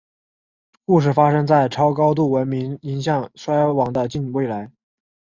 故事发生在超高度文明迎向衰亡的近未来。